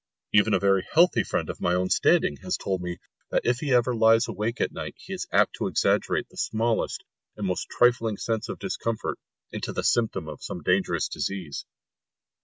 Even a very healthy friend of my own standing has told me that if he ever lies awake at night he is apt to exaggerate the smallest and most trifling sense of discomfort into the symptom of some dangerous disease.